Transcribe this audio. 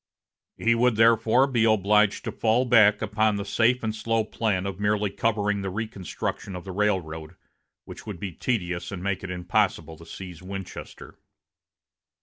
He would therefore be obliged to fall back upon the safe and slow plan of merely covering the reconstruction of the railroad, which would be tedious and make it impossible to seize Winchester.